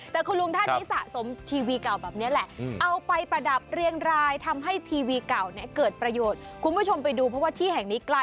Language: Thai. แต่คุณลุงท่านที่สะสมทีวีเก่าแบบนี้แหละ